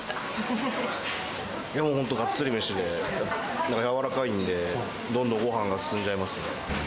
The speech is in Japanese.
本当、がっつり飯で、柔らかいんで、どんどんごはんが進んじゃいますね。